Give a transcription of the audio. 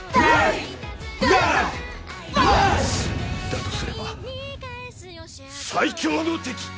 だとすれば最強の敵！